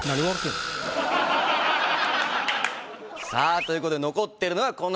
さあということで残っているのはこの二人。